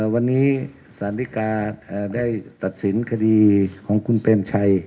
วันนี้สารดิกาได้ตัดสินคดีของคุณเปรมชัย